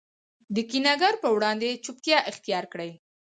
د کینه ګر په وړاندي چوپتیا اختیارکړئ!